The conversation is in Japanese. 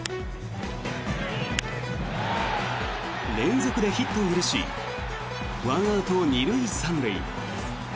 連続でヒットを許し１アウト２塁３塁。